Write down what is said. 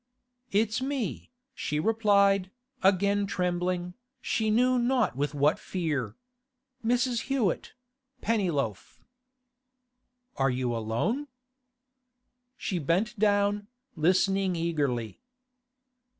'It's me,' she replied, again trembling, she knew not with what fear. 'Mrs. Hewett—Pennyloaf.' 'Are you alone?' She bent down, listening eagerly.